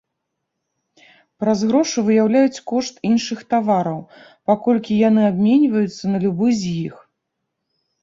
Праз грошы выяўляюць кошт іншых тавараў, паколькі яны абменьваюцца на любой з іх.